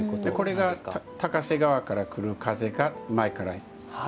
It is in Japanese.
これが高瀬川から来る風が前から来ますから。